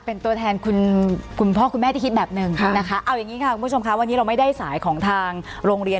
เป็นตัวแทนคุณคุณพ่อคุณแม่ที่คิดแบบหนึ่งนะคะเอาอย่างนี้ค่ะคุณผู้ชมค่ะวันนี้เราไม่ได้สายของทางโรงเรียน